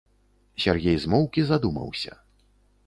Сяргей змоўк і задумаўся.